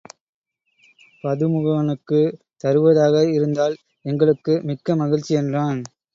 பதுமுகனுக்குத் தருவதாக இருந்தால் எங்களுக்கு மிக்க மகிழ்ச்சி என்றான்.